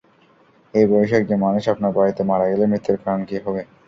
এই বয়সী একজন মানুষ আপনার বাড়িতে মারা গেলে মৃত্যুর কারণ কী হবে?